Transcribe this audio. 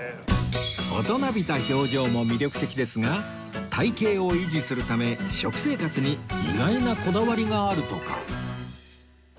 大人びた表情も魅力的ですが体形を維持するため食生活に意外なこだわりがあるとか